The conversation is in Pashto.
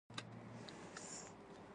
ښوونځی کې ښې فیصلې زده کېږي